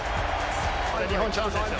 日本、チャンスですよ。